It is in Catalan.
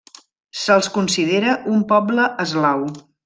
Se'ls considera un poble eslau.